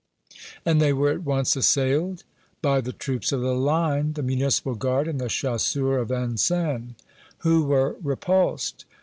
"And they were at once assailed?" "By the troops of the Line, the Municipal Guard and the chasseurs of Vincennes." "Who were repulsed?"